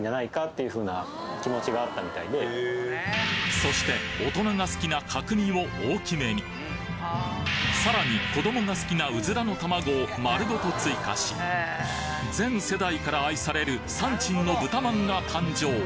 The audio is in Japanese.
そして大人が好きな角煮を大きめにさらに子どもが好きなうずらの卵を丸ごと追加し全世代から愛される山珍の豚まんが誕生！